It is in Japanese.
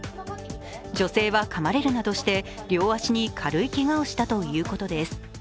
女性はかまれるなどして、両足に軽いけがをしたということです。